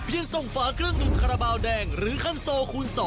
เพียงส่งฝาเครื่องหนึ่งคาราเบาแดงหรือคันโซคูณ๒